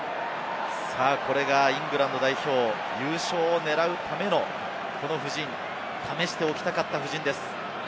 これがイングランド代表、優勝を狙うための布陣、試しておきたかった布陣です。